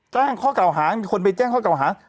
แจ้งข้อเก่าหามีคนไปแจ้งข้อเก่าหา